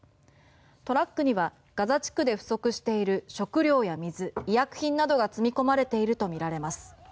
トラックにはガザ地区で不足している食糧や水、医薬品などが積み込まれているとみられます。